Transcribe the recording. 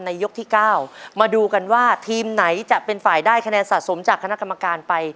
ยกที่๙มาดูกันว่าทีมไหนจะเป็นฝ่ายได้คะแนนสะสมจากคณะกรรมการไป